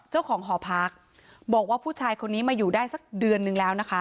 เจ้าของหอพักบอกว่าผู้ชายคนนี้มาอยู่ได้สักเดือนนึงแล้วนะคะ